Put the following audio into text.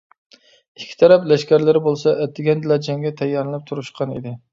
ئىككى تەرەپ لەشكەرلىرى بولسا ئەتىگەندىلا جەڭگە تەييارلىنىپ تۇرۇشقان ئىدى.